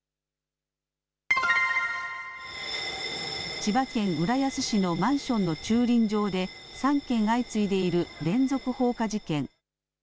千葉県浦安市のマンションの駐輪場で３件相次いでいる連続放火事件。